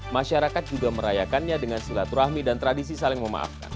masyarakat juga merayakannya dengan silaturahmi dan tradisi saling memaafkan